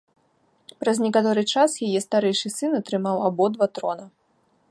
Праз некаторы час яе старэйшы сын атрымаў абодва трона.